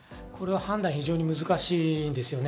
これは判断が非常に難しいです。